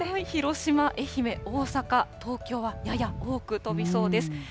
広島、愛媛、大阪、東京はやや多く飛びそうです。